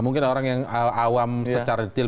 mungkin orang yang awam secara detail